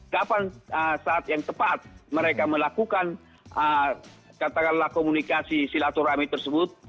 kapan saat yang tepat mereka melakukan katakanlah komunikasi silaturahmi tersebut